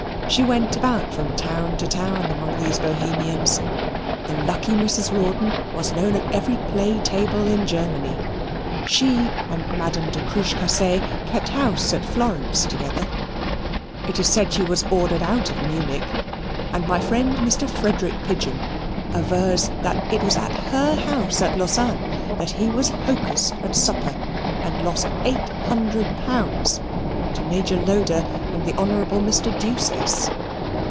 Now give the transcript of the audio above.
She went about from town to town among these Bohemians. The lucky Mrs. Rawdon was known at every play table in Germany. She and Madame de Cruchecassee kept house at Florence together. It is said she was ordered out of Munich, and my friend Mr. Frederick Pigeon avers that it was at her house at Lausanne that he was hocussed at supper and lost eight hundred pounds to Major Loder and the Honourable Mr. Deuceace.